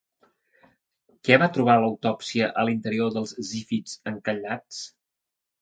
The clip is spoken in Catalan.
Què va trobar l'autòpsia a l'interior dels zífids encallats?